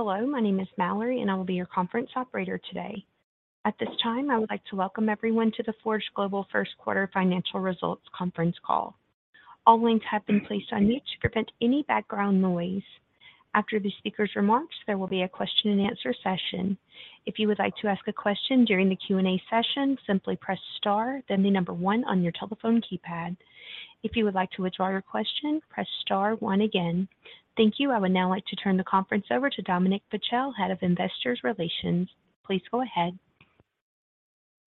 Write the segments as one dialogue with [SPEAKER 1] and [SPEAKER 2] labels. [SPEAKER 1] Hello, my name is Mallory, and I will be your conference operator today. At this time, I would like to welcome everyone to the Forge Global First Quarter Financial Results conference call. All lines have been placed on mute to prevent any background noise. After the speakers' remarks, there will be a question and answer session. If you would like to ask a question during the Q&A session, simply press star, then the number one on your telephone keypad. If you would like to withdraw your question, press star one again. Thank you. I would now like to turn the conference over to Dominic Paschel, Head of Investor Relations. Please go ahead.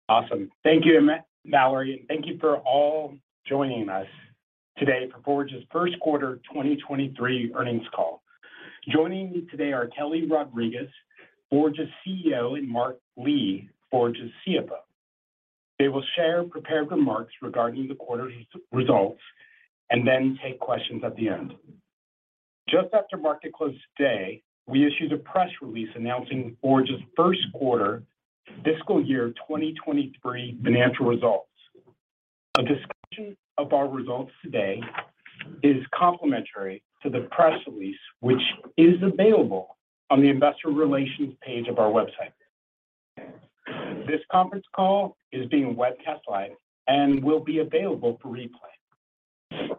[SPEAKER 2] Awesome. Thank you, Mallory, thank you for all joining us today for Forge's first quarter 2023 earnings call. Joining me today are Kelly Rodriques, Forge's CEO, and Mark Lee, Forge's CFO. They will share prepared remarks regarding the quarter's results then take questions at the end. Just after market close today, we issued a press release announcing Forge's first quarter fiscal year 2023 financial results. A discussion of our results today is complementary to the press release, which is available on the investor relations page of our website. This conference call is being webcast live and will be available for replay.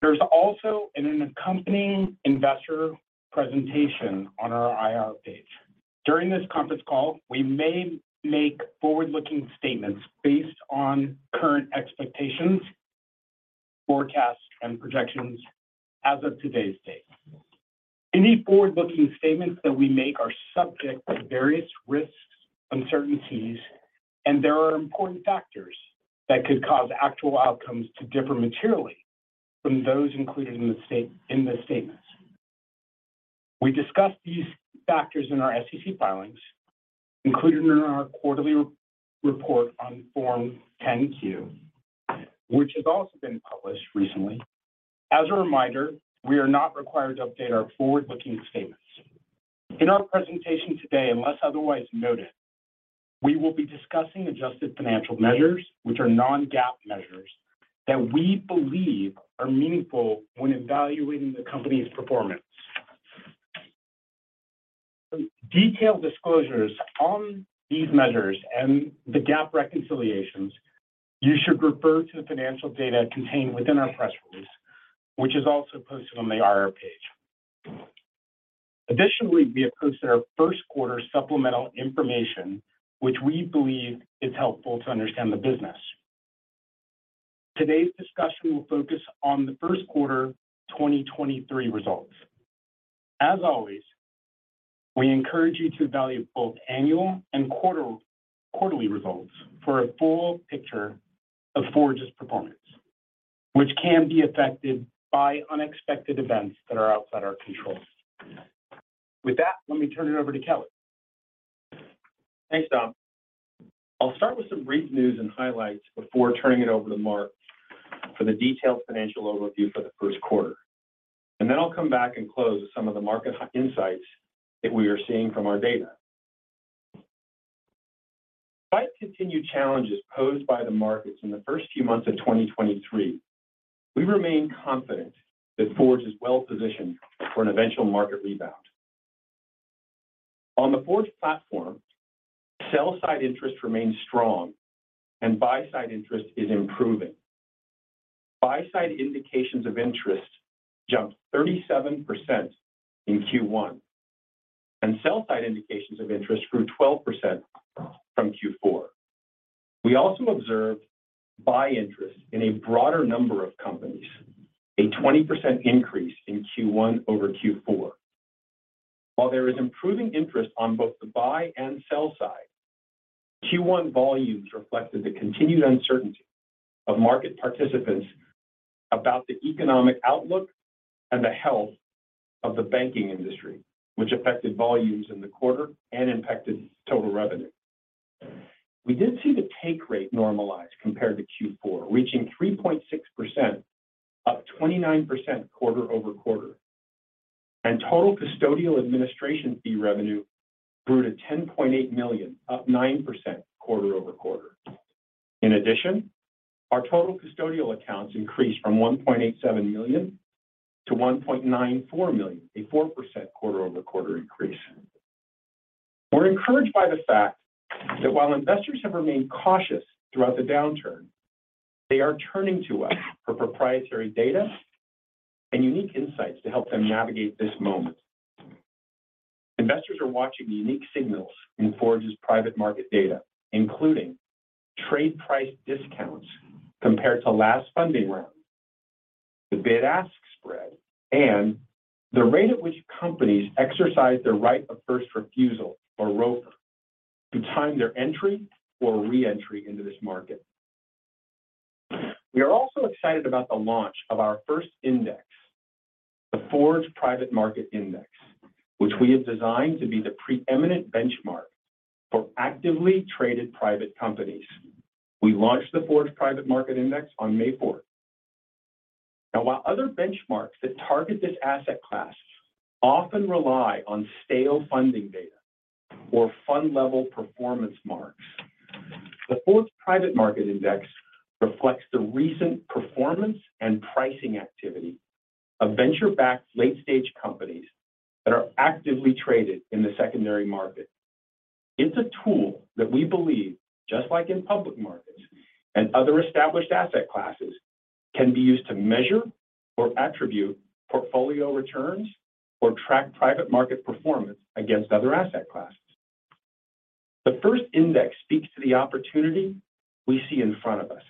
[SPEAKER 2] There's also an accompanying investor presentation on our IR page. During this conference call, we may make forward-looking statements based on current expectations, forecasts, and projections as of today's date. Any forward-looking statements that we make are subject to various risks, uncertainties, and there are important factors that could cause actual outcomes to differ materially from those included in the statements. We discussed these factors in our SEC filings, including in our quarterly re-report on form 10-Q, which has also been published recently. As a reminder, we are not required to update our forward-looking statements. In our presentation today, unless otherwise noted, we will be discussing adjusted financial measures, which are non-GAAP measures, that we believe are meaningful when evaluating the company's performance. For detailed disclosures on these measures and the GAAP reconciliations, you should refer to the financial data contained within our press release, which is also posted on the IR page. Additionally, we have posted our first quarter supplemental information, which we believe is helpful to understand the business. Today's discussion will focus on the first quarter 2023 results. As always, we encourage you to evaluate both annual and quarter-quarterly results for a full picture of Forge's performance, which can be affected by unexpected events that are outside our control. With that, let me turn it over to Kelly.
[SPEAKER 3] Thanks, Dom. I'll start with some brief news and highlights before turning it over to Mark for the detailed financial overview for the first quarter. Then I'll come back and close with some of the market insights that we are seeing from our data. Despite continued challenges posed by the markets in the first few months of 2023, we remain confident that Forge is well positioned for an eventual market rebound. On the Forge platform, sell-side interest remains strong and buy-side interest is improving. Buy-side indications of interest jumped 37% in Q one, sell-side indications of interest grew 12% from Q four. We also observed buy interest in a broader number of companies, a 20% increase in Q one over Q four. While there is improving interest on both the buy and sell side, Q1 volumes reflected the continued uncertainty of market participants about the economic outlook and the health of the banking industry, which affected volumes in the quarter and impacted total revenue. We did see the take rate normalize compared to Q4, reaching 3.6%, up 29% quarter-over-quarter. Total custodial administration fee revenue grew to $10.8 million, up 9% quarter-over-quarter. In addition, our total custodial accounts increased from 1.87 million to 1.94 million, a 4% quarter-over-quarter increase. We're encouraged by the fact that while investors have remained cautious throughout the downturn, they are turning to us for proprietary data and unique insights to help them navigate this moment. Investors are watching unique signals in Forge's private market data, including trade price discounts compared to last funding round, the bid-ask spread, and the rate at which companies exercise their right of first refusal, or ROFR, to time their entry or re-entry into this market. We are also excited about the launch of our first index, the Forge Private Market Index, which we have designed to be the preeminent benchmark for actively traded private companies. We launched the Forge Private Market Index on May fourth. Now, while other benchmarks that target this asset class often rely on stale funding data or fund-level performance marks. The Forge Private Market Index reflects the recent performance and pricing activity of venture-backed late-stage companies that are actively traded in the secondary market. It's a tool that we believe, just like in public markets and other established asset classes, can be used to measure or attribute portfolio returns or track private market performance against other asset classes. The first index speaks to the opportunity we see in front of us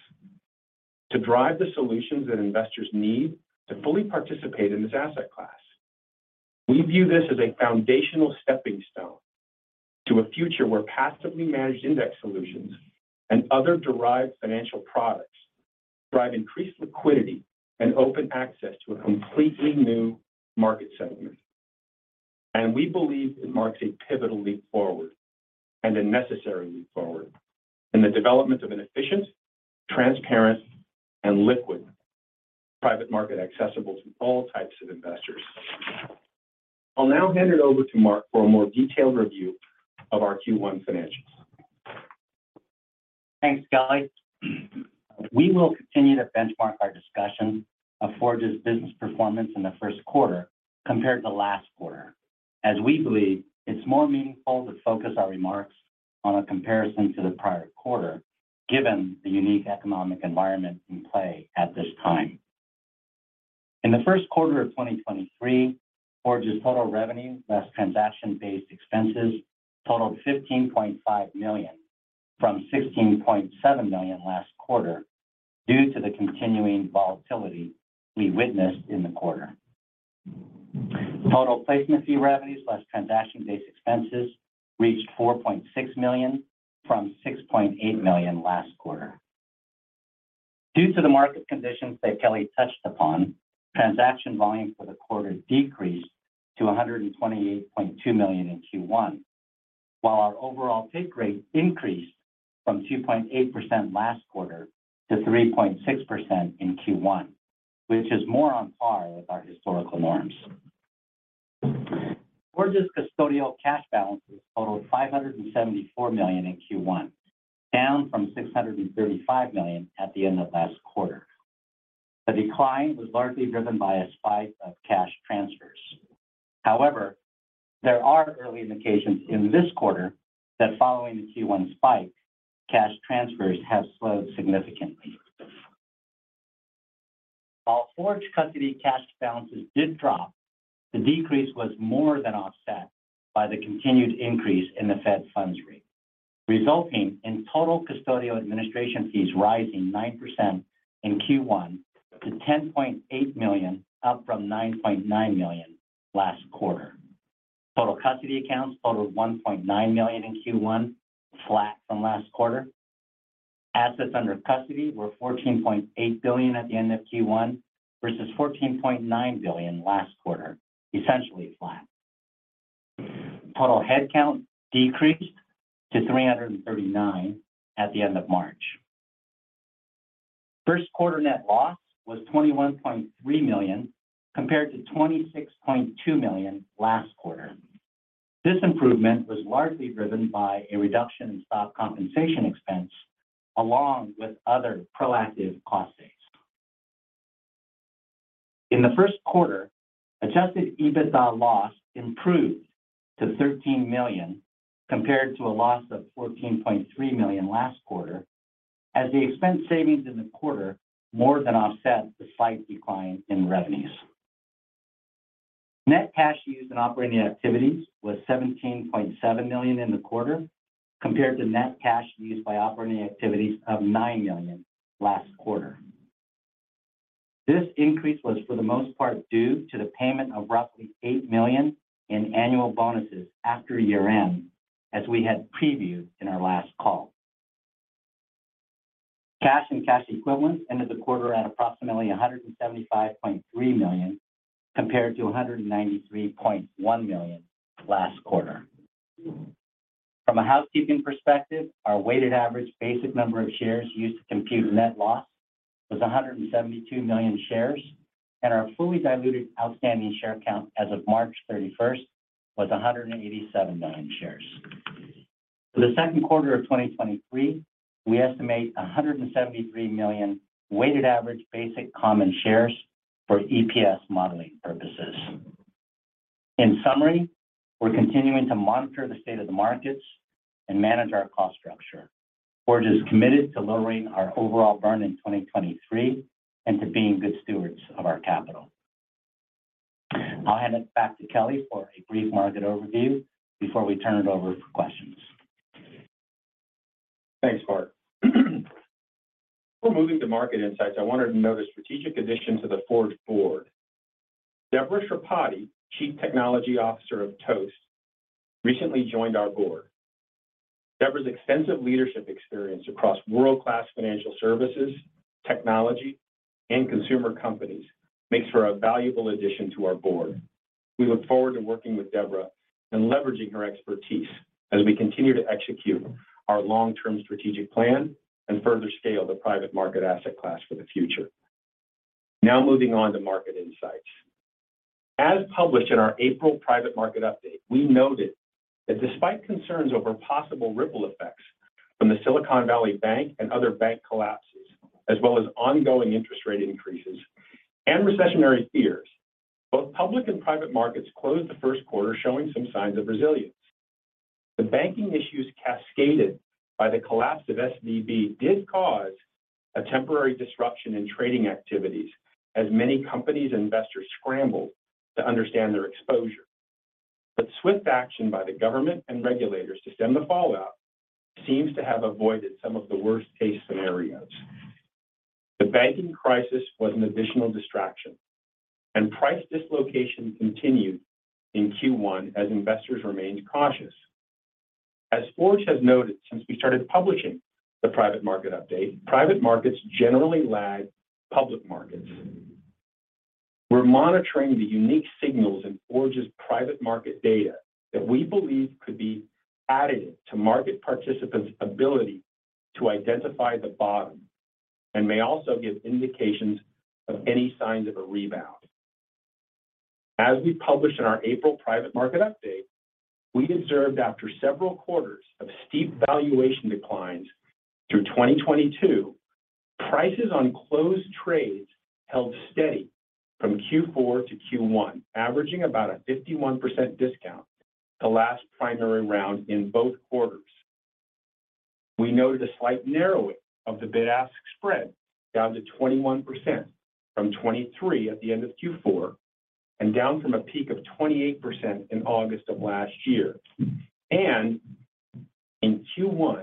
[SPEAKER 3] to drive the solutions that investors need to fully participate in this asset class. We view this as a foundational stepping stone to a future where passively managed index solutions and other derived financial products drive increased liquidity and open access to a completely new market segment. We believe it marks a pivotal leap forward, and a necessary leap forward in the development of an efficient, transparent, and liquid private market accessible to all types of investors. I'll now hand it over to Mark for a more detailed review of our Q1 financials.
[SPEAKER 4] Thanks, Kelly. We will continue to benchmark our discussion of Forge's business performance in the first quarter compared to last quarter, as we believe it's more meaningful to focus our remarks on a comparison to the prior quarter, given the unique economic environment in play at this time. In the first quarter of 2023, Forge's total revenue, less transaction-based expenses, totaled $15.5 million, from $16.7 million last quarter, due to the continuing volatility we witnessed in the quarter. Total placement fee revenues less transaction-based expenses reached $4.6 million, from $6.8 million last quarter. Due to the market conditions that Kelly touched upon, transaction volume for the quarter decreased to $128.2 million in Q1, while our overall take rate increased from 2.8% last quarter to 3.6% in Q1, which is more on par with our historical norms. Forge's custodial cash balances totaled $574 million in Q1, down from $635 million at the end of last quarter. The decline was largely driven by a spike of cash transfers. There are early indications in this quarter that following the Q1 spike, cash transfers have slowed significantly. While Forge Trust cash balances did drop, the decrease was more than offset by the continued increase in the Fed funds rate, resulting in total custodial administration fees rising 9% in Q1 to $10.8 million, up from $9.9 million last quarter. Total custody accounts totaled 1.9 million in Q1, flat from last quarter. Assets under custody were $14.8 billion at the end of Q1 versus $14.9 billion last quarter, essentially flat. Total head count decreased to 339 at the end of March. First quarter net loss was $21.3 million, compared to $26.2 million last quarter. This improvement was largely driven by a reduction in stock compensation expense, along with other proactive cost saves. In the first quarter, adjusted EBITDA loss improved to $13 million, compared to a loss of $14.3 million last quarter, as the expense savings in the quarter more than offset the slight decline in revenues. Net cash used in operating activities was $17.7 million in the quarter, compared to net cash used by operating activities of $9 million last quarter. This increase was for the most part due to the payment of roughly $8 million in annual bonuses after year-end, as we had previewed in our last call. Cash and cash equivalents ended the quarter at approximately $175.3 million, compared to $193.1 million last quarter. From a housekeeping perspective, our weighted average basic number of shares used to compute net loss was $172 million shares, and our fully diluted outstanding share count as of March 31st was $187 million shares. For 2Q 2023, we estimate $173 million weighted average basic common shares for EPS modeling purposes. In summary, we're continuing to monitor the state of the markets and manage our cost structure. Forge is committed to lowering our overall burn in 2023 and to being good stewards of our capital. I'll hand it back to Kelly for a brief market overview before we turn it over for questions.
[SPEAKER 3] Thanks, Mark Lee. Before moving to market insights, I wanted to note a strategic addition to the Forge board. Debra Chrapaty, Chief Technology Officer of Toast, recently joined our board. Debra's extensive leadership experience across world-class financial services, technology, and consumer companies makes for a valuable addition to our board. We look forward to working with Debra and leveraging her expertise as we continue to execute our long-term strategic plan and further scale the private market asset class for the future. Now moving on to market insights. As published in our April private market update, we noted that despite concerns over possible ripple effects from the Silicon Valley Bank and other bank collapses, as well as ongoing interest rate increases and recessionary fears, both public and private markets closed the 1st quarter showing some signs of resilience. The banking issues cascaded by the collapse of SVB did cause a temporary disruption in trading activities as many companies investors scrambled to understand their exposure. Swift action by the government and regulators to stem the fallout seems to have avoided some of the worst-case scenarios. The banking crisis was an additional distraction, and price dislocation continued in Q1 as investors remained cautious. As Forge has noted since we started publishing the private market update, private markets generally lag public markets. We're monitoring the unique signals in Forge's private market data that we believe could be added to market participants' ability to identify the bottom and may also give indications of any signs of a rebound. As we published in our April private market update, we observed after several quarters of steep valuation declines through 2022, prices on closed trades held steady from Q4 to Q1, averaging about a 51% discount, the last primary round in both quarters. We noted a slight narrowing of the bid-ask spread down to 21% from 23% at the end of Q4 and down from a peak of 28% in August of last year. In Q1,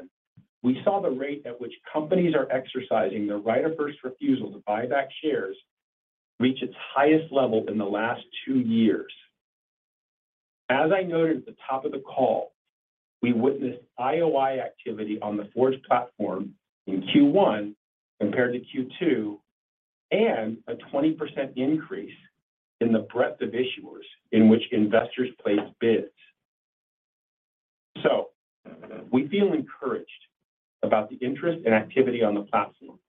[SPEAKER 3] we saw the rate at which companies are exercising their right of first refusal to buy back shares reach its highest level in the last two years. As I noted at the top of the call, we witnessed IOI activity on the Forge platform in Q1 compared to Q2 and a 20% increase in the breadth of issuers in which investors placed bids. We feel encouraged about the interest and activity on the platform.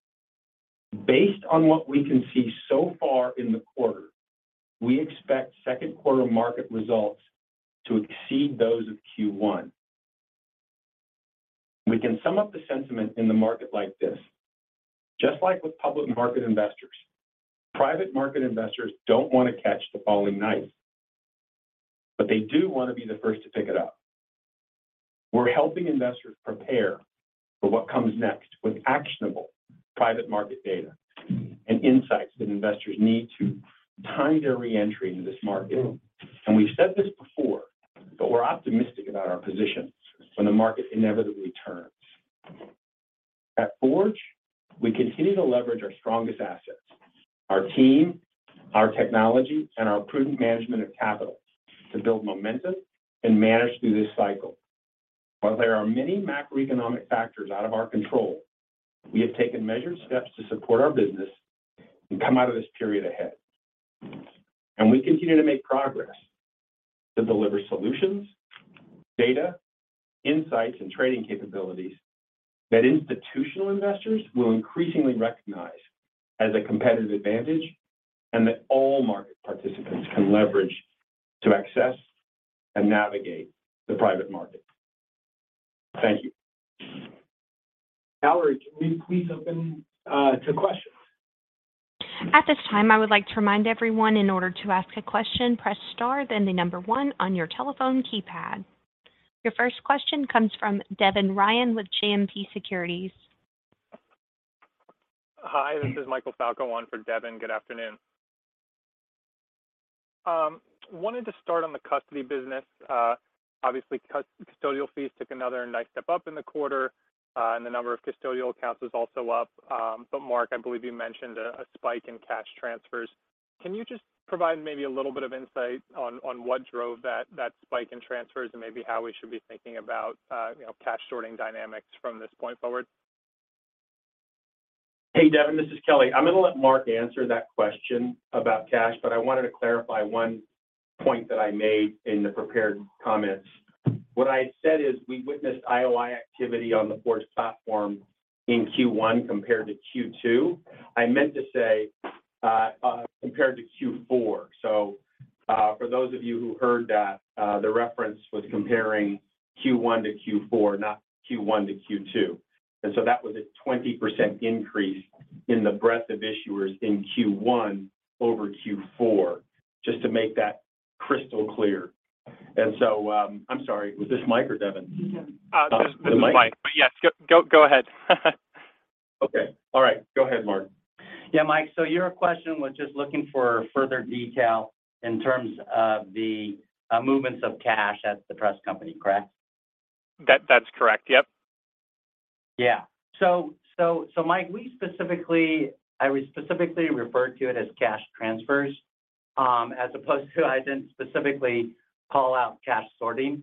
[SPEAKER 3] Based on what we can see so far in the quarter, we expect second quarter market results to exceed those of Q1. We can sum up the sentiment in the market like this. Just like with public market investors, private market investors don't want to catch the falling knife, but they do want to be the first to pick it up. We're helping investors prepare for what comes next with actionable private market data and insights that investors need to time their re-entry into this market. We've said this before, but we're optimistic about our position when the market inevitably turns. At Forge, we continue to leverage our strongest assets, our team, our technology, and our prudent management of capital to build momentum and manage through this cycle. While there are many macroeconomic factors out of our control, we have taken measured steps to support our business and come out of this period ahead. We continue to make progress to deliver solutions, data, insights, and trading capabilities that institutional investors will increasingly recognize as a competitive advantage and that all market participants can leverage to access and navigate the private market. Thank you. Valerie, can we please open to questions?
[SPEAKER 1] At this time, I would like to remind everyone in order to ask a question, press star, then the number one on your telephone keypad. Your first question comes from Devin Ryan with JMP Securities.
[SPEAKER 5] Hi, this is Michael Falco on for Devin. Good afternoon. Wanted to start on the custody business. Obviously, custodial fees took another nice step up in the quarter, and the number of custodial accounts was also up. Mark, I believe you mentioned a spike in cash transfers. Can you just provide maybe a little bit of insight on what drove that spike in transfers and maybe how we should be thinking about, you know, cash sorting dynamics from this point forward?
[SPEAKER 3] Hey, Devin, this is Kelly. I'm gonna let Mark answer that question about cash, but I wanted to clarify one point that I made in the prepared comments. What I said is we witnessed IOI activity on the Forge platform in Q1 compared to Q2. I meant to say, compared to Q4. For those of you who heard that, the reference was comparing Q1 to Q4, not Q1 to Q2. That was a 20% increase in the breadth of issuers in Q1 over Q4, just to make that crystal clear. I'm sorry, was this Mike or Devin?
[SPEAKER 5] This is Mike. Yes, go ahead.
[SPEAKER 3] Okay. All right. Go ahead, Mark.
[SPEAKER 4] Yeah. Mike, your question was just looking for further detail in terms of the movements of cash at the Forge company, correct?
[SPEAKER 5] That's correct. Yep.
[SPEAKER 4] Yeah. Mike, I specifically referred to it as cash transfers, as opposed to I didn't specifically call out cash sorting.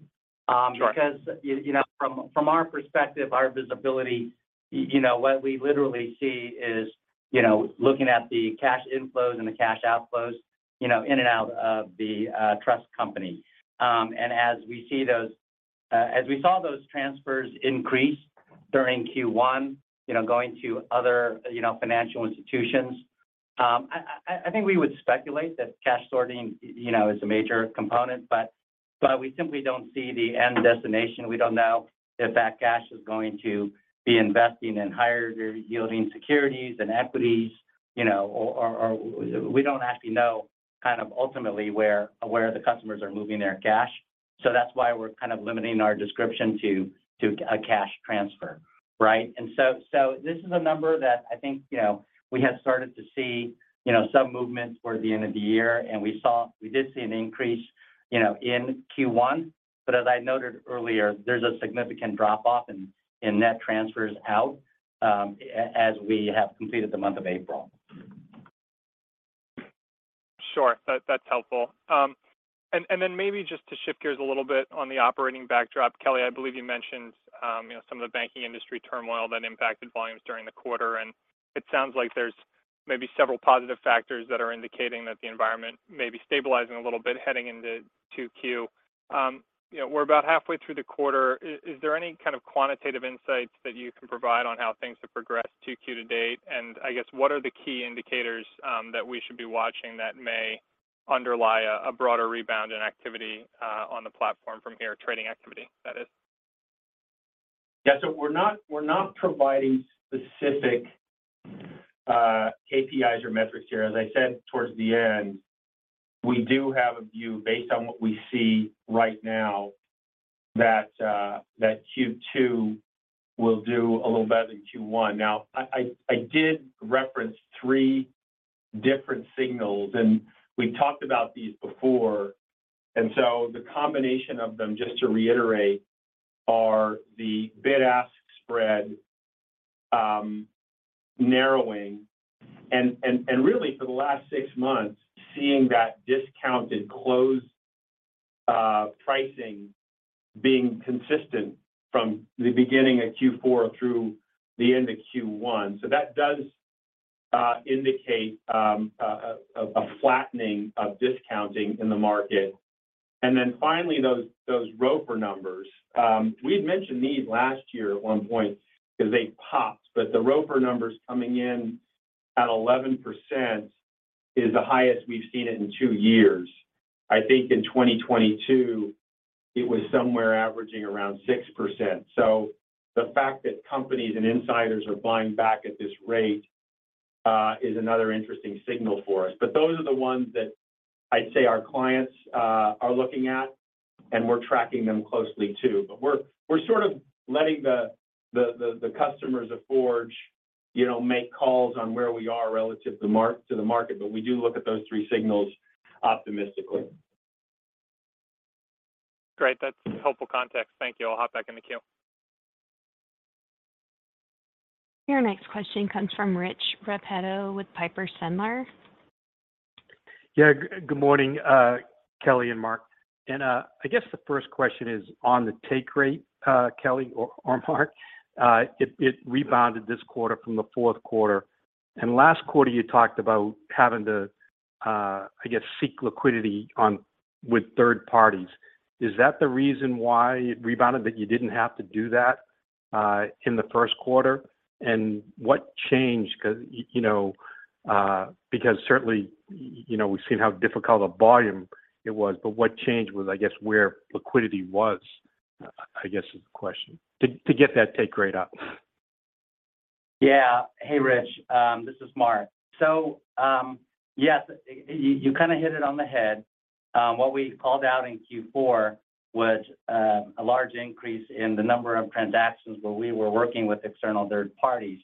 [SPEAKER 5] Sure.
[SPEAKER 4] Because, you know, from our perspective, our visibility, you know, what we literally see is, you know, looking at the cash inflows and the cash outflows, you know, in and out of the trust company. As we saw those transfers increase during Q1, you know, going to other, you know, financial institutions, we would speculate that cash sorting, you know, is a major component, but we simply don't see the end destination. We don't know if that cash is going to be investing in higher yielding securities and equities, you know. We don't actually know kind of ultimately where the customers are moving their cash. That's why we're kind of limiting our description to a cash transfer, right? So this is a number that I think, you know, we have started to see, you know, some movement towards the end of the year. We did see an increase, you know, in Q1. As I noted earlier, there's a significant drop-off in net transfers out as we have completed the month of April.
[SPEAKER 5] Sure. That's helpful. Then maybe just to shift gears a little bit on the operating backdrop. Kelly, I believe you mentioned, you know, some of the banking industry turmoil that impacted volumes during the quarter, and it sounds like there's maybe several positive factors that are indicating that the environment may be stabilizing a little bit heading into 2Q. You know, we're about halfway through the quarter. Is there any kind of quantitative insights that you can provide on how things have progressed 2Q to date? I guess, what are the key indicators that we should be watching that may underlie a broader rebound in activity on the platform from here, trading activity, that is?
[SPEAKER 3] Yeah. We're not providing specific KPIs or metrics here. As I said towards the end, we do have a view based on what we see right now that Q2 will do a little better than Q1. Now, I did reference 3 different signals, and we've talked about these before. The combination of them, just to reiterate, are the bid-ask spread narrowing. Really for the last six months, seeing that discounted close pricing being consistent from the beginning of Q4 through the end of Q1. That does indicate a flattening of discounting in the market. Finally, those ROFR numbers. We had mentioned these last year at 1 point 'cause they popped.
[SPEAKER 4] The ROFR numbers coming in at 11% is the highest we've seen it in two years. I think in 2022, it was somewhere averaging around 6%. The fact that companies and insiders are buying back at this rate, is another interesting signal for us. Those are the ones that I'd say our clients are looking at, and we're tracking them closely too. We're sort of letting the customers of Forge, you know, make calls on where we are relative to the market, but we do look at those three signals optimistically.
[SPEAKER 5] Great. That's helpful context. Thank you. I'll hop back in the queue.
[SPEAKER 1] Your next question comes from Rich Repetto with Piper Sandler.
[SPEAKER 6] Yeah. Good morning, Kelly and Mark. I guess the first question is on the take rate, Kelly or Mark. It rebounded this quarter from the fourth quarter. Last quarter you talked about having to, I guess, seek liquidity with third parties. Is that the reason why it rebounded, that you didn't have to do that, in the first quarter? What changed? 'Cause you know, because certainly, you know, we've seen how difficult a volume it was, but what changed was, I guess, where liquidity was, I guess, is the question. To get that take rate up.
[SPEAKER 4] Yeah. Hey, Rich. This is Mark. Yes, you kinda hit it on the head. What we called out in Q4 was a large increase in the number of transactions where we were working with external third parties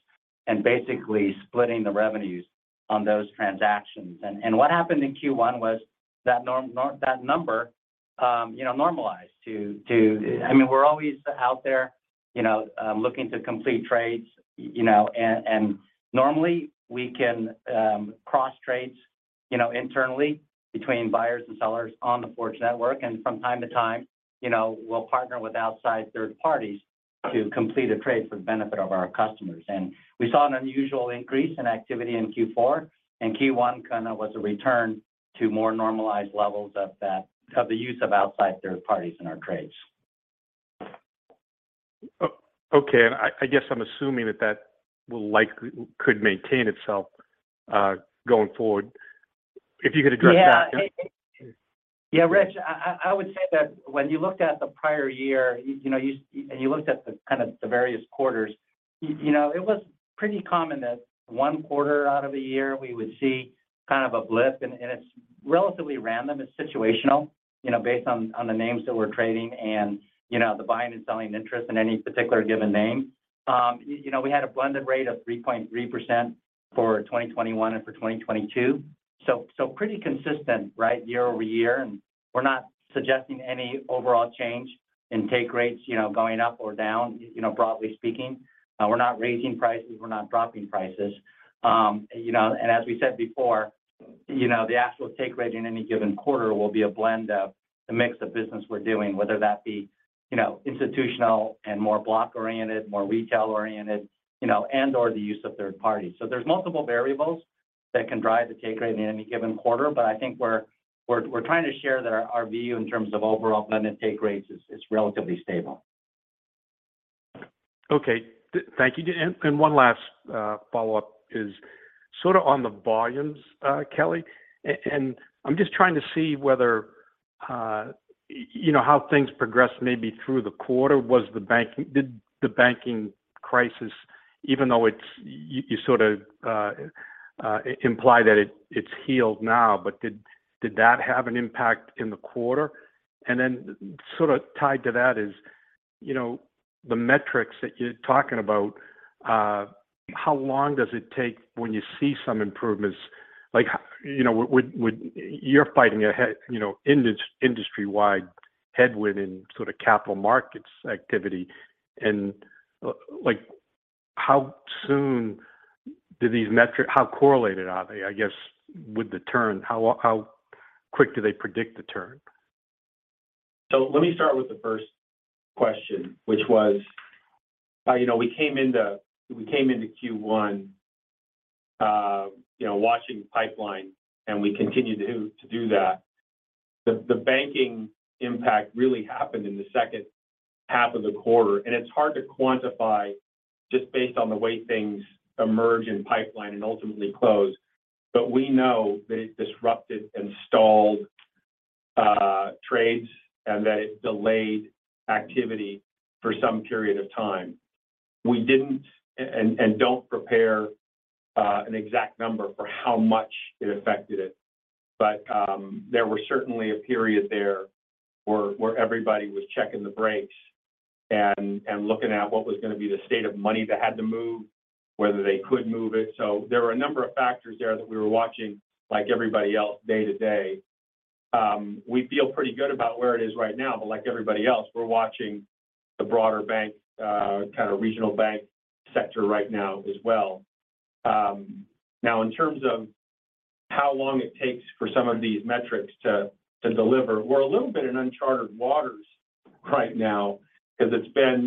[SPEAKER 4] and basically splitting the revenues on those transactions. What happened in Q1 was that that number, you know, normalized to. I mean, we're always out there, you know, looking to complete trades, you know. Normally we can cross trades, you know, internally between buyers and sellers on the Forge network. From time to time, you know, we'll partner with outside third parties to complete a trade for the benefit of our customers. We saw an unusual increase in activity in Q4, and Q1 kind of was a return to more normalized levels of that, of the use of outside third parties in our trades.
[SPEAKER 6] Okay. I guess I'm assuming that that will likely could maintain itself, going forward. If you could address that.
[SPEAKER 4] Yeah. Yeah, Rich, I would say that when you looked at the prior year, you know, you looked at the, kind of the various quarters, you know, it was pretty common that one quarter out of a year, we would see kind of a blip, and it's relatively random. It's situational, you know, based on the names that we're trading and, you know, the buying and selling interest in any particular given name. You know, we had a blended rate of 3.3% for 2021 and for 2022. Pretty consistent, right, year-over-year. We're not suggesting any overall change in take rates, you know, going up or down, you know, broadly speaking. We're not raising prices, we're not dropping prices. You know, as we said before, you know, the actual take rate in any given quarter will be a blend of the mix of business we're doing, whether that be, you know, institutional and more block-oriented, more retail-oriented, you know, and/or the use of third parties. There's multiple variables that can drive the take rate in any given quarter. I think we're trying to share that our view in terms of overall lending take rates is relatively stable.
[SPEAKER 6] Okay. Thank you. One last follow-up is sort of on the volumes, Kelly. I'm just trying to see whether you know, how things progressed maybe through the quarter. Did the banking crisis, even though it's you sort of imply that it's healed now, but did that have an impact in the quarter? Then sort of tied to that is, you know, the metrics that you're talking about, how long does it take when you see some improvements? Like, you know, would you're fighting a head, you know, industry-wide headwind in sort of capital markets activity. Like how soon do these how correlated are they, I guess, with the turn? How quick do they predict the turn?
[SPEAKER 3] Let me start with the first question, which was, you know, we came into Q1, you know, watching pipeline, and we continue to do that. The banking impact really happened in the second half of the quarter, and it's hard to quantify just based on the way things emerge in pipeline and ultimately close. We know that it disrupted, installed trades and that it delayed activity for some period of time. We didn't, and don't prepare an exact number for how much it affected it. There was certainly a period there where everybody was checking the brakes and looking at what was gonna be the state of money that had to move, whether they could move it. There were a number of factors there that we were watching, like everybody else, day to day. We feel pretty good about where it is right now, but like everybody else, we're watching the broader bank, kind of regional bank sector right now as well. Now in terms of how long it takes for some of these metrics to deliver, we're a little bit in uncharted waters right now 'cause it's been,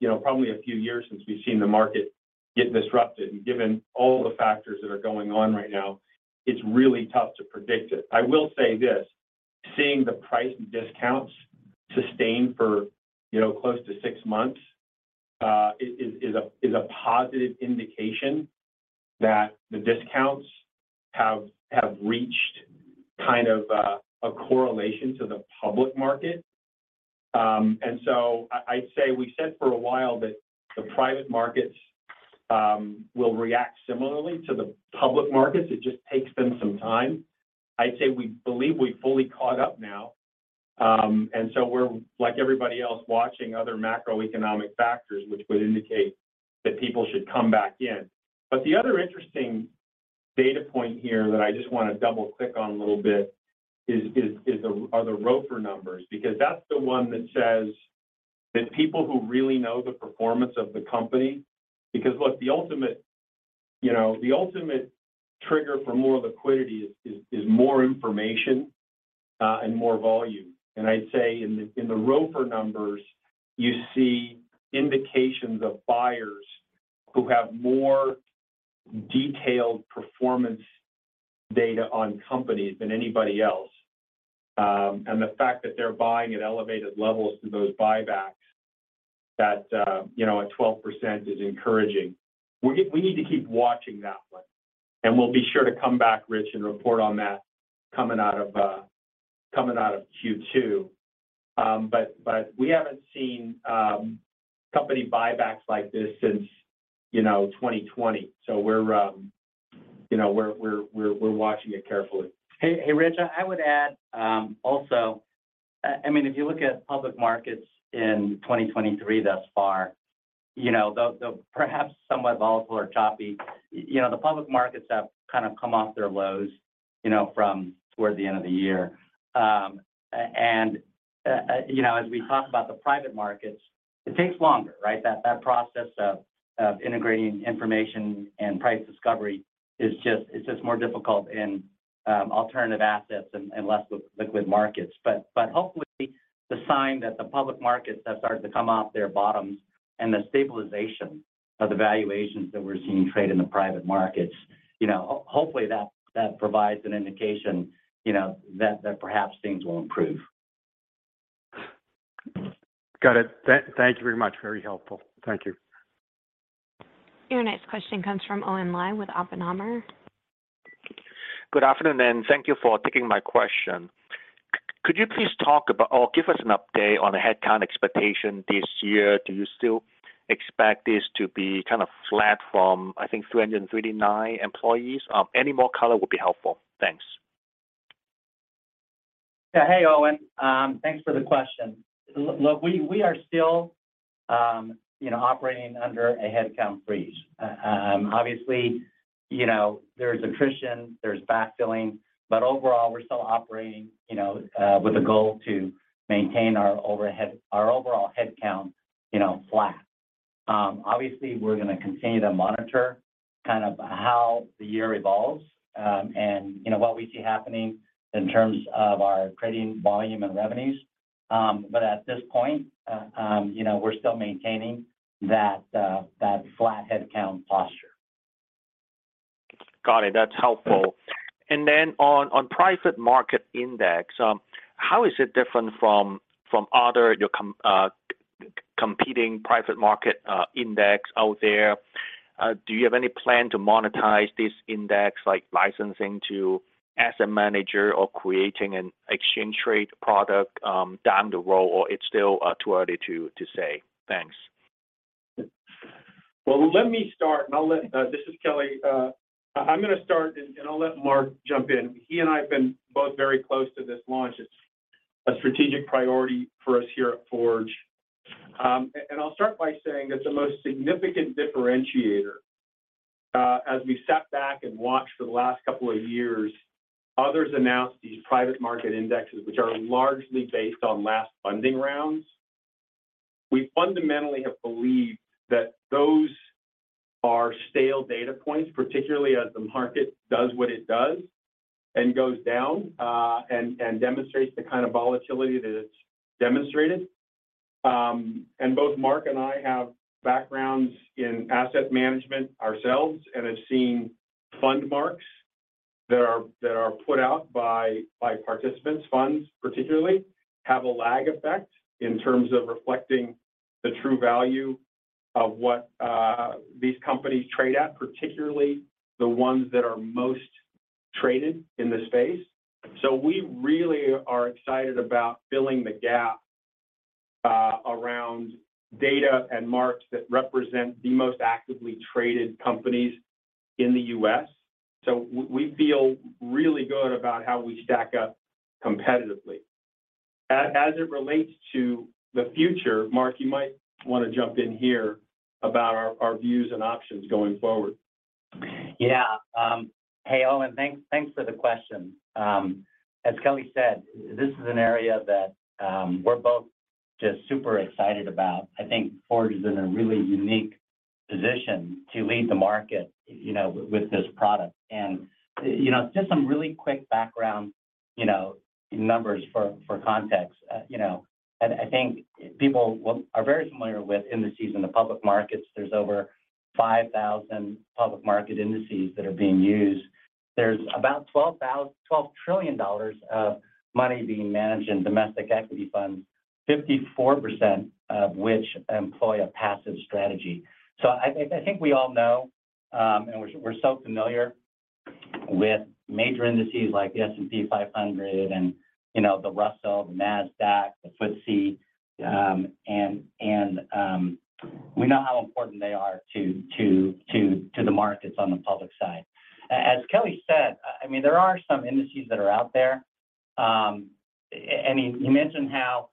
[SPEAKER 3] you know, probably a few years since we've seen the market get disrupted. Given all the factors that are going on right now, it's really tough to predict it. I will say this, seeing the price and discounts sustain for, you know, close to six months, is a positive indication that the discounts have reached kind of a correlation to the public market. I'd say we said for a while that the private markets, will react similarly to the public markets. It just takes them some time. I'd say we believe we've fully caught up now. We're like everybody else watching other macroeconomic factors which would indicate that people should come back in. The other interesting data point here that I just wanna double-click on a little bit are the ROFR numbers, because that's the one that says that people who really know the performance of the company. Look, the ultimate, you know, the ultimate trigger for more liquidity is more information and more volume. I'd say in the ROFR numbers, you see indications of buyers who have more detailed performance data on companies than anybody else. The fact that they're buying at elevated levels through those buybacks, that, you know, at 12% is encouraging. We need to keep watching that one, and we'll be sure to come back, Rich, and report on that coming out of Q2. We haven't seen company buybacks like this since, you know, 2020. We're, you know, we're watching it carefully.
[SPEAKER 4] Hey, Rich. I would add, I mean, if you look at public markets in 2023 thus far, you know, they'll perhaps somewhat volatile or choppy. You know, the public markets have kind of come off their lows, you know, from towards the end of the year. You know, as we talk about the private markets, it takes longer, right? That process of integrating information and price discovery is just more difficult in alternative assets and less liquid markets. Hopefully the sign that the public markets have started to come off their bottoms and the stabilization of the valuations that we're seeing trade in the private markets, you know, hopefully that provides an indication, you know, that perhaps things will improve.
[SPEAKER 6] Got it. Thank you very much. Very helpful. Thank you.
[SPEAKER 1] Your next question comes from Owen Lau with Oppenheimer.
[SPEAKER 7] Good afternoon. Thank you for taking my question. Could you please talk about or give us an update on the headcount expectation this year? Do you still expect this to be kind of flat from, I think, 339 employees? Any more color would be helpful. Thanks.
[SPEAKER 4] Yeah. Hey, Owen. thanks for the question. Look, we are still, you know, operating under a headcount freeze. obviously, you know, there's attrition, there's backfilling, but overall, we're still operating, you know, with a goal to maintain our overall headcount, you know, flat. obviously, we're gonna continue to monitor kind of how the year evolves, and, you know, what we see happening in terms of our credit volume and revenues. At this point, you know, we're still maintaining that flat headcount posture.
[SPEAKER 7] Got it. That's helpful. Then on Private Market Index, how is it different from other, your competing Private Market Index out there? Do you have any plan to monetize this index, like licensing to asset manager or creating an exchange-traded product down the road, or it's still too early to say? Thanks.
[SPEAKER 3] Well, let me start, and I'll let this is Kelly. I'm gonna start, and I'll let Mark jump in. He and I have been both very close to this launch. It's a strategic priority for us here at Forge. I'll start by saying that the most significant differentiator, as we sat back and watched for the last couple of years, others announce these private market indexes, which are largely based on last funding rounds. We fundamentally have believed that those are stale data points, particularly as the market does what it does and goes down, and demonstrates the kind of volatility that it's demonstrated. Both Mark and I have backgrounds in asset management ourselves and have seen fund marks that are put out by participants, funds particularly, have a lag effect in terms of reflecting the true value of what these companies trade at, particularly the ones that are most traded in the space. We really are excited about filling the gap around data and marks that represent the most actively traded companies in the U.S. We feel really good about how we stack up competitively. As it relates to the future, Mark, you might wanna jump in here about our views and options going forward.
[SPEAKER 4] Hey, Owen, thanks for the question. As Kelly said, this is an area that, we're both just super excited about. I think Forge is in a really unique position to lead the market, you know, with this product. You know, just some really quick background, you know, numbers for context. You know, and I think people are very familiar with indices in the public markets. There's over 5,000 public market indices that are being used. There's about $12 trillion of money being managed in domestic equity funds, 54% of which employ a passive strategy. I think we all know, and we're so familiar with major indices like the S&P 500 and, you know, the Russell, the Nasdaq, the FTSE. We know how important they are to the markets on the public side. As Kelly said, I mean, there are some indices that are out there. He mentioned how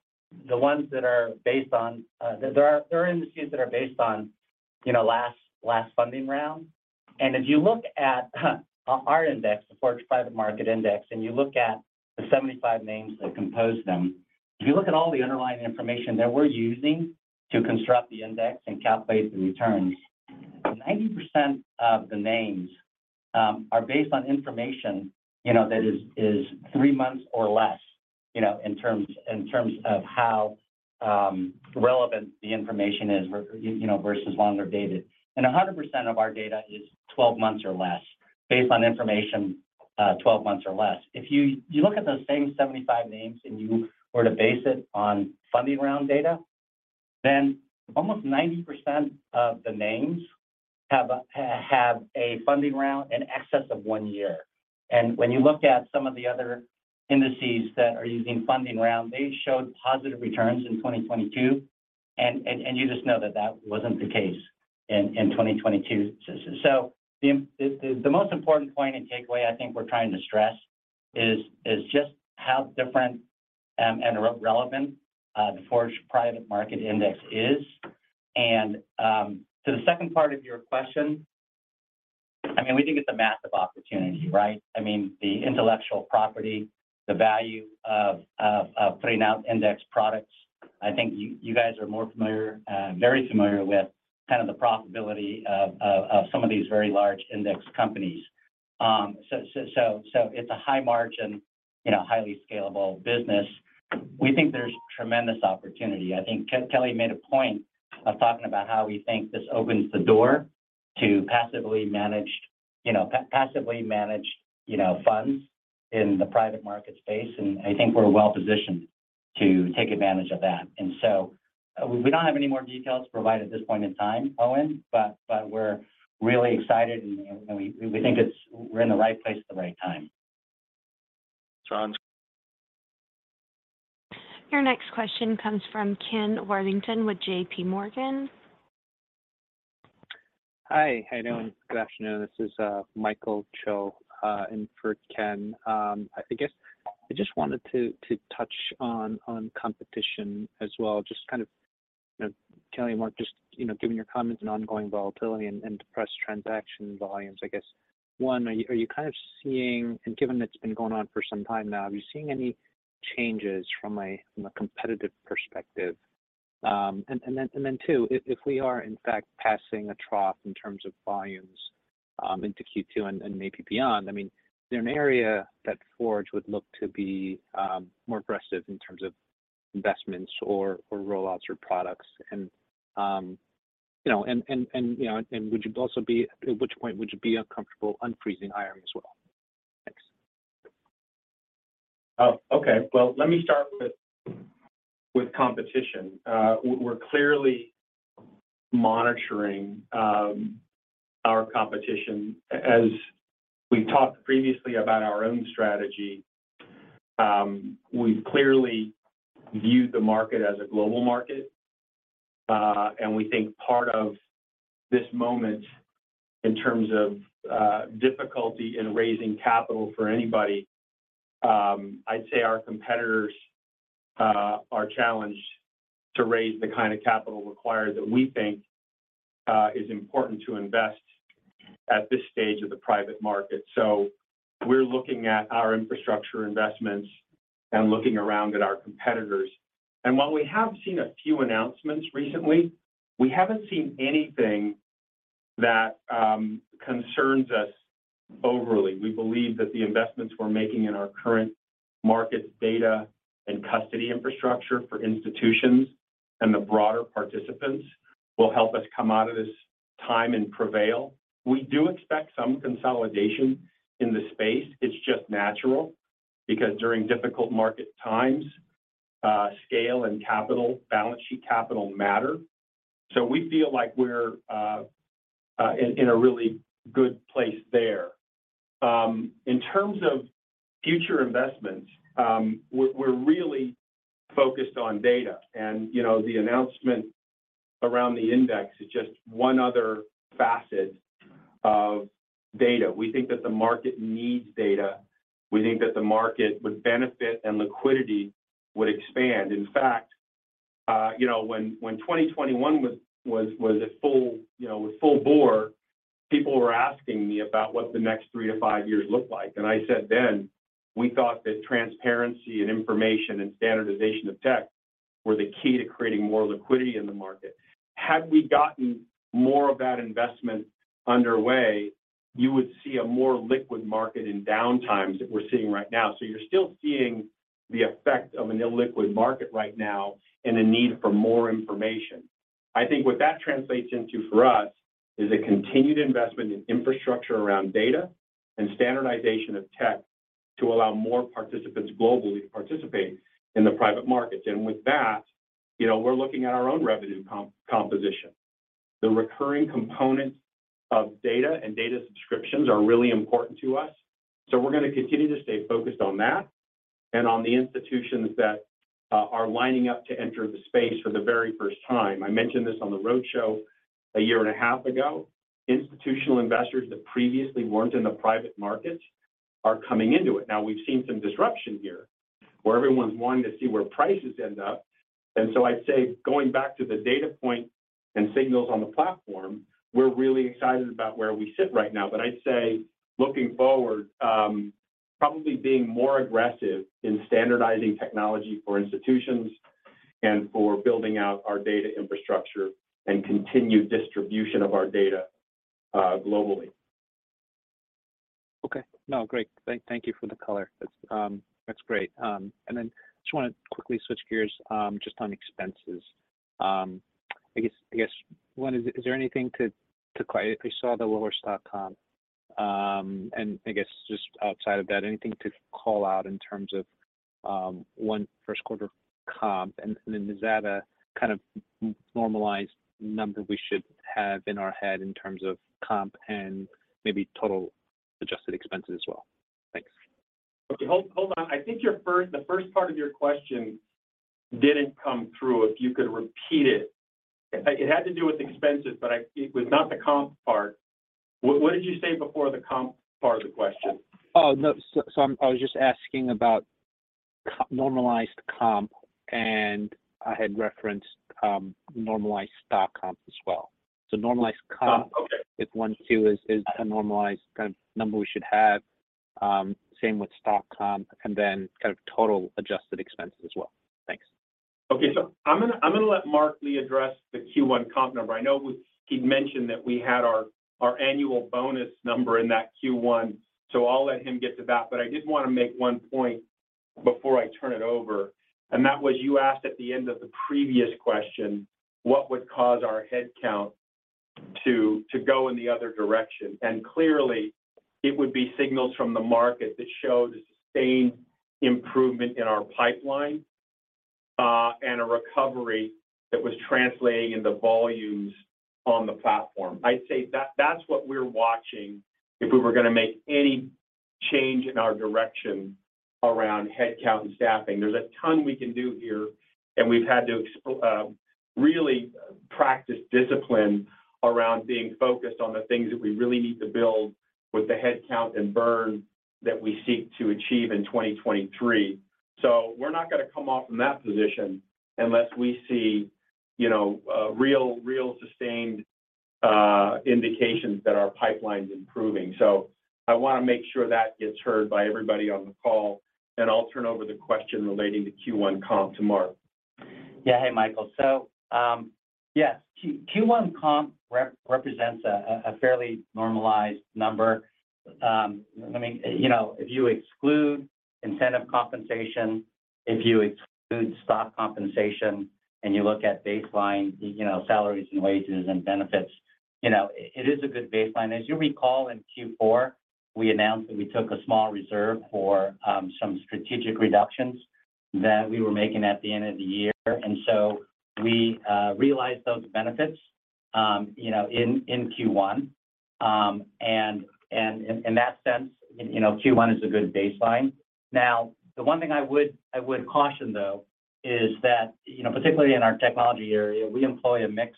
[SPEAKER 4] the ones that are based on. There are indices that are based on, you know, last funding round. If you look at our index, the Forge Private Market Index, and you look at the 75 names that compose them, if you look at all the underlying information that we're using to construct the index and calculate the returns, 90% of the names are based on information, you know, that is three months or less, you know, in terms of how relevant the information is, you know, versus longer dated. 100% of our data is 12 months or less, based on information, 12 months or less. If you look at those same 75 names and you were to base it on funding round data, almost 90% of the names have a funding round in excess of one year. When you look at some of the other indices that are using funding round, they showed positive returns in 2022, and you just know that that wasn't the case in 2022. The most important point and takeaway I think we're trying to stress is just how different and relevant the Forge Private Market Index is. To the second part of your question, I mean, we think it's a massive opportunity, right? I mean, the intellectual property, the value of putting out index products. I think you guys are more familiar, very familiar with kind of the profitability of some of these very large index companies. It's a high margin, you know, highly scalable business. We think there's tremendous opportunity. I think Kelly made a point of talking about how we think this opens the door to passively managed, you know, funds in the private market space, and I think we're well-positioned to take advantage of that. We don't have any more details to provide at this point in time, Owen, but we're really excited and we think it's, we're in the right place at the right time.
[SPEAKER 7] Sounds-
[SPEAKER 1] Your next question comes from Ken Worthington with JP Morgan.
[SPEAKER 8] Hi. How you doing? Good afternoon. This is Michael Cho in for Ken. I guess I just wanted to touch on competition as well. Just kind of, you know, Kelly and Mark, just, you know, given your comments on ongoing volatility and depressed transaction volumes, I guess, one, are you kind of seeing and given that it's been going on for some time now, have you seen any changes from a competitive perspective? Then two, if we are in fact passing a trough in terms of volumes into Q2 and maybe beyond. I mean, is there an area that Forge would look to be more aggressive in terms of investments or rollouts or products and, you know, and, you know, at which point would you be uncomfortable unfreezing hiring as well? Thanks.
[SPEAKER 3] Okay. Well, let me start with competition. We're clearly monitoring our competition. As we've talked previously about our own strategy, we've clearly viewed the market as a global market. We think part of this moment in terms of difficulty in raising capital for anybody, I'd say our competitors are challenged to raise the kind of capital required that we think is important to invest at this stage of the private market. We're looking at our infrastructure investments and looking around at our competitors. While we have seen a few announcements recently, we haven't seen anything that concerns us overly. We believe that the investments we're making in our current markets, data, and custody infrastructure for institutions and the broader participants will help us come out of this time and prevail. We do expect some consolidation in the space. It's just natural because during difficult market times, scale and capital, balance sheet capital matter. We feel like we're in a really good place there. In terms of future investments, we're really focused on data. You know, the announcement around the index is just one other facet of data. We think that the market needs data. We think that the market would benefit and liquidity would expand. In fact, you know, when 2021 was full bore, people were asking me about what the next three to five years looked like. I said then, we thought that transparency and information and standardization of tech were the key to creating more liquidity in the market. Had we gotten more of that investment underway, you would see a more liquid market in downtimes that we're seeing right now. You're still seeing the effect of an illiquid market right now and a need for more information. I think what that translates into for us is a continued investment in infrastructure around data and standardization of tech to allow more participants globally to participate in the private markets. With that, you know, we're looking at our own revenue composition. The recurring components of data and data subscriptions are really important to us, we're gonna continue to stay focused on that and on the institutions that are lining up to enter the space for the very first time. I mentioned this on the roadshow 1.5 years ago. Institutional investors that previously weren't in the private markets are coming into it. We've seen some disruption here, where everyone's wanting to see where prices end up. I'd say going back to the data point and signals on the platform, we're really excited about where we sit right now. I'd say looking forward, probably being more aggressive in standardizing technology for institutions and for building out our data infrastructure and continued distribution of our data globally.
[SPEAKER 8] Okay. No, great. Thank you for the color. That's, that's great. Then just wanna quickly switch gears, just on expenses. I guess one, is there anything to I saw the Wilbur's dot-com? I guess just outside of that, anything to call out in terms of one first quarter comp? Then is that a kind of normalized number we should have in our head in terms of comp and maybe total adjusted expenses as well? Thanks.
[SPEAKER 3] Okay. Hold on. I think the first part of your question didn't come through. If you could repeat it. It had to do with expenses, but it was not the comp part. What did you say before the comp part of the question?
[SPEAKER 8] Oh, no. I was just asking about normalized comp, and I had referenced, normalized stock comp as well. Normalized comp.
[SPEAKER 3] Okay...
[SPEAKER 8] if one, too, is a normalized kind of number we should have. Same with stock comp, and then kind of total adjusted expenses as well. Thanks.
[SPEAKER 3] Okay. I'm gonna, I'm gonna let Mark Lee address the Q1 comp number. I know he'd mentioned that we had our annual bonus number in that Q1. I'll let him get to that. But I did wanna make one point before I turn it over. That was, you asked at the end of the previous question, what would cause our head count to go in the other direction? Clearly, it would be signals from the market that show the sustained improvement in our pipeline, and a recovery that was translating into volumes on the platform. I'd say that's what we're watching if we were gonna make any change in our direction around head count and staffing. There's a ton we can do here. We've had to really practice discipline around being focused on the things that we really need to build with the head count and burn that we seek to achieve in 2023. We're not gonna come off from that position unless we see, you know, real sustained indications that our pipeline's improving. I wanna make sure that gets heard by everybody on the call. I'll turn over the question relating to Q1 comp to Mark.
[SPEAKER 4] Hey, Michael. Yes, Q1 comp represents a fairly normalized number. I mean, you know, if you exclude incentive compensation, if you exclude stock compensation and you look at baseline, you know, salaries and wages and benefits, you know, it is a good baseline. As you recall, in Q4, we announced that we took a small reserve for some strategic reductions that we were making at the end of the year. We realized those benefits, you know, in Q1. In that sense, you know, Q1 is a good baseline. The one thing I would caution, though, is that, you know, particularly in our technology area, we employ a mix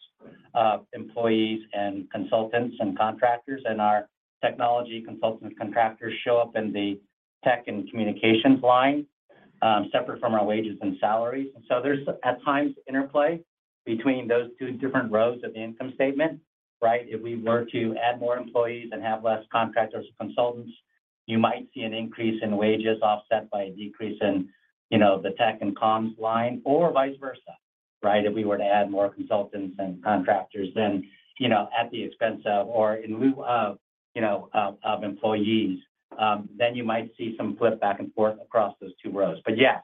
[SPEAKER 4] of employees and consultants and contractors, and our technology consultants, contractors show up in the tech and communications line, separate from our wages and salaries. There's, at times, interplay between those two different rows of the income statement, right? If we were to add more employees and have less contractors or consultants, you might see an increase in wages offset by a decrease in, you know, the tech and comms line, or vice versa, right? If we were to add more consultants and contractors then, you know, at the expense of or in lieu of employees, then you might see some flip back and forth across those two rows. Yes,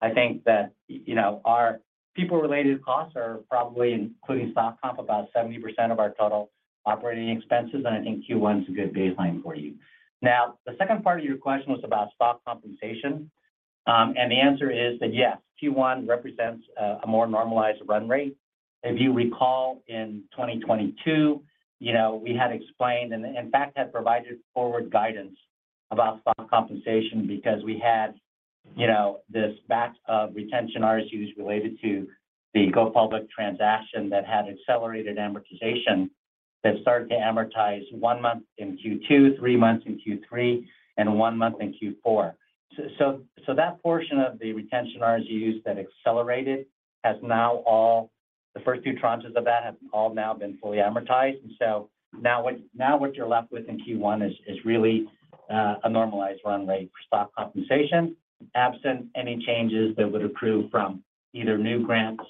[SPEAKER 4] I think that, you know, our people-related costs are probably including stock comp, about 70% of our total operating expenses, and I think Q1 is a good baseline for you. The second part of your question was about stock compensation. And the answer is that yes, Q1 represents a more normalized run rate. If you recall in 2022, you know, we had explained and in fact had provided forward guidance about stock compensation because we had, you know, this batch of retention RSUs related to the go public transaction that had accelerated amortization that started to amortize 1 month in Q2, three months in Q3, and one month in Q4. That portion of the retention RSUs that accelerated has now the first two tranches of that have all now been fully amortized. Now what, now what you're left with in Q1 is really a normalized run rate for stock compensation, absent any changes that would accrue from either new grants,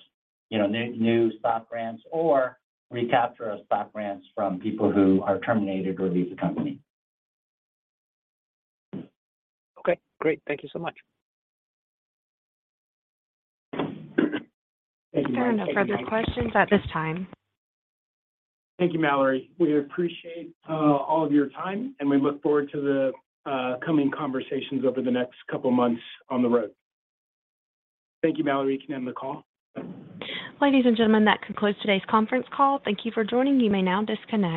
[SPEAKER 4] you know, new stock grants, or recapture of stock grants from people who are terminated or leave the company. Okay, great. Thank you so much. Thank you, Michael.
[SPEAKER 1] There are no further questions at this time.
[SPEAKER 2] Thank you, Mallory. We appreciate all of your time, and we look forward to the coming conversations over the next couple of months on the road. Thank you. Mallory, you can end the call.
[SPEAKER 1] Ladies and gentlemen, that concludes today's conference call. Thank you for joining. You may now disconnect.